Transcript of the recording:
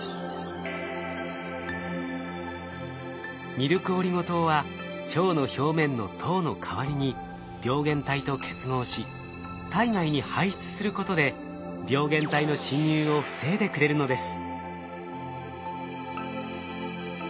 ミルクオリゴ糖は腸の表面の糖の代わりに病原体と結合し体外に排出することで病原体の侵入を防いでくれるのです。